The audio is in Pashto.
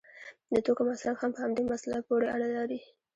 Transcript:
د توکو مصرف هم په همدې مسله پورې اړه لري.